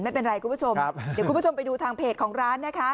ไม่เป็นไรคุณผู้ชมเดี๋ยวคุณผู้ชมไปดูทางเพจของร้านนะคะ